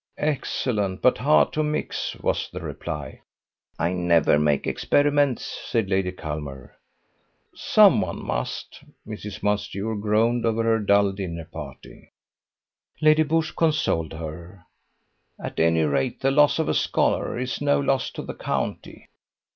"Excellent, but hard to mix," was the reply. "I never make experiments," said Lady Culmer. "Some one must!" Mrs. Mountstuart groaned over her dull dinner party. Lady Busshe consoled her. "At any rate, the loss of a scholar is no loss to the county."